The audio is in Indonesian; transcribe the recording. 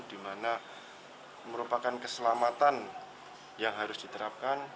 di mana merupakan keselamatan yang harus diterapkan